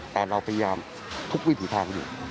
แต่เราพยายามทุกวิถีทางอยู่